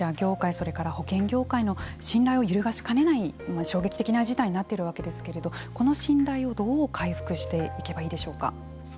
それから、保険業界の信頼を揺るがしかねない衝撃的な事態になっているわけですけれどもこの信頼をどう回復していけばいいでしょうか。